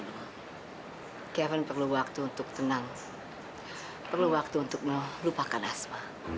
mas kevin aku ingin tahu